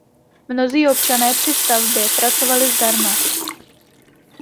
Mnozí občané při stavbě pracovali zdarma.